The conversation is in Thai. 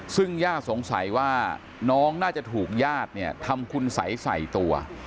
ซึ่งย่าสงสัยว่าน้องน่าจะถูกญาติเนี่ยทำคุณสัยใส่ตัว